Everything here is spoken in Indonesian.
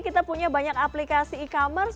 kita punya banyak aplikasi e commerce